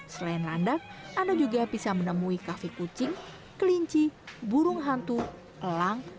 selain landak anda juga bisa menemui kafe kucing kelinci burung hantu elang